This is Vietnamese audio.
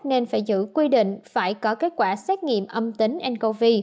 nên phải giữ quy định phải có kết quả xét nghiệm âm tính ncov